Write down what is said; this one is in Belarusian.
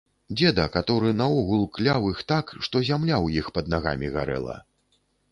Дзеда, каторы наогул кляў іх так, што зямля ў іх пад нагамі гарэла!